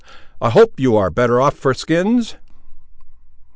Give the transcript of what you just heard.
"I hope you ar' better off for skins."